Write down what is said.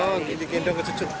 oh dikendong ke cucu